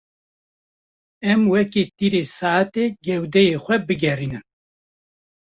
Em weke tîrê saetê gewdeyê xwe bigerînin.